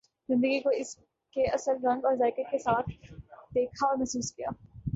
زندگی کو اس کے اصل رنگ اور ذائقہ کے ساتھ دیکھا اور محسوس کیا